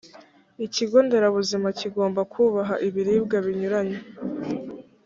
ikigo nderabuzima kigomba kubaha ibiribwa binyuranye